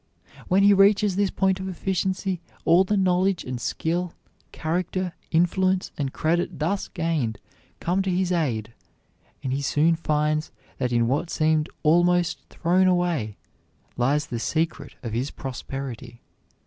When he reaches this point of efficiency, all the knowledge and skill, character, influence, and credit thus gained come to his aid, and he soon finds that in what seemed almost thrown away lies the secret of his prosperity.